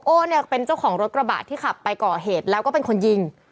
เนี่ยเป็นเจ้าของรถกระบะที่ขับไปก่อเหตุแล้วก็เป็นคนยิง